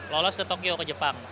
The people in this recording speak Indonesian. lolos ke tokyo ke jepang